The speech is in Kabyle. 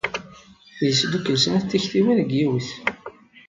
Yesdukkel snat tiktiwin deg yiwet.